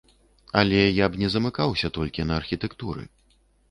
Але я б не замыкаўся толькі на архітэктуры.